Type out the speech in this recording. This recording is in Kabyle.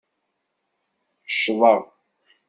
Ccḍeɣ.